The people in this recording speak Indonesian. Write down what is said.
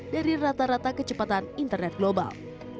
dari rata rata kecepatan internet global